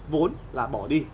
vốn là bỏ đi